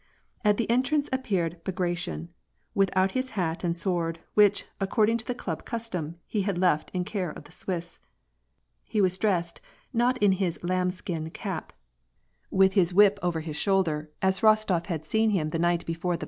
At the entrance appeared Bagration, without his hat and sword, which, according to the club custom, he had left in care of the Swiss. He was dressed not in his lamb skin cap J WAR AND PEACE. 17 with his whip oyer his shoulder, as Rostof had seen him the aight before the